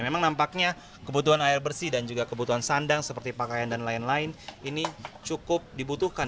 memang nampaknya kebutuhan air bersih dan juga kebutuhan sandang seperti pakaian dan lain lain ini cukup dibutuhkan